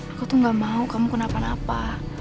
aku tuh gak mau kamu kenapa napa